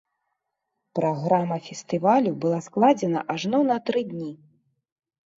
Праграма фестывалю была складзена ажно на тры дні.